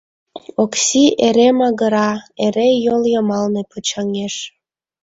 Окси эре магыра, эре йол йымалне почаҥеш.